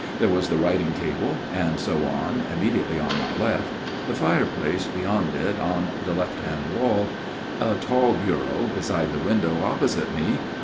There was the writing table and so on immediately on my left, the fireplace beyond it in the left hand wall ; a tall bureau beside the window, opposite me.